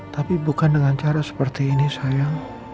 tapi bukan dengan cara seperti ini sayang